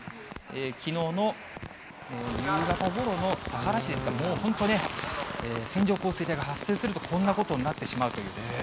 きのうの夕方ごろの田原市ですか、もう本当ね、線状降水帯が発生するとこんなことになってしまうという。